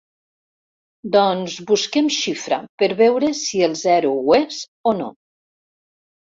Doncs busquem “Xifra” per veure si el zero ho és o no.